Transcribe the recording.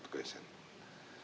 itu pertanyaan yang bagus